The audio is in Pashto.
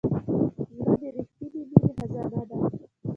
زړه د رښتینې مینې خزانه ده.